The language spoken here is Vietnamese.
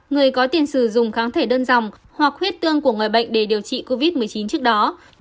người có tiền sử dụng kháng thể đơn dòng hoặc huyết tương của người bệnh để điều trị covid một mươi chín trước đó